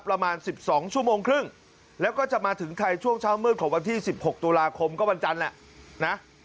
ประมาณ๑๒ชั่วโมงครึ่งแล้วก็จะมาถึงไทยช่วงเช้ามืดของวันที่๑๖ตุลาคมก็วันจันทร์แหละนะ